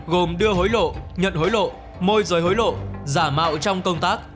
gồm đưa hối lộ nhận hối lộ môi giới hối lộ giả mạo trong công tác